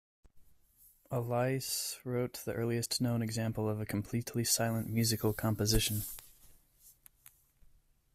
Allais wrote the earliest known example of a completely silent musical composition.